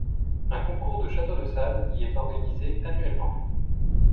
Un concours de châteaux de sable y est organisé annuellement.